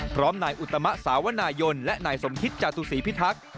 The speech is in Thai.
พร้อมนายอุตมะสาวนายนและนายสมคิตจาตุศีพิทักษ์